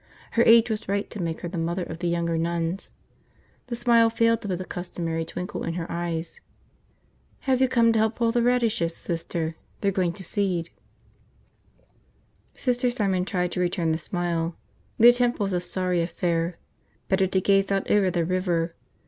Her age was right to make her the mother of the younger nuns. The smile failed to put the customary twinkle in her eyes. Have you come to help pull the radishes, Sister? They're going to seed." Sister Simon tried to return the smile. The attempt was a sorry affair. Better to gaze out over the river.